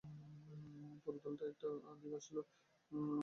পুরো একটা দল আমাদের দিকে আসছিল।